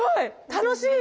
楽しい！